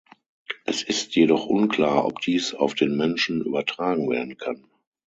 Es ist jedoch unklar, ob dies auf den Menschen übertragen werden kann.